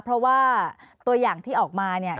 เพราะว่าตัวอย่างที่ออกมาเนี่ย